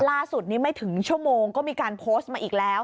ล่าสุดนี้ไม่ถึงชั่วโมงก็มีการโพสต์มาอีกแล้ว